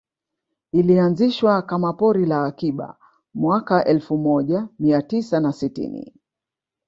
Ilianzishwa kama pori la akiba mwaka elfu moja mia tisa na sitini